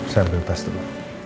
saya ambil tas dulu